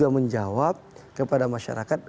menjawab kepada masyarakat